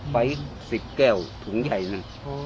ไฟสิบแก้วถุงใหญ่หนึ่ง